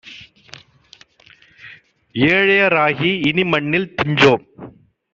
ஏழைய ராகிஇனி மண்ணில் துஞ்சோம்